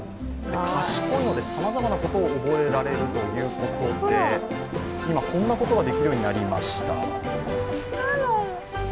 賢いので、さまざまなことを覚えられるということで今、こんなことができるようになりました。